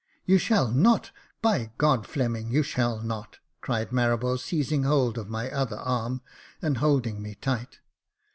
" You shall not — by God, Fleming, you shall not !" cried Marables, seizing hold of my other arm, and holding me tight.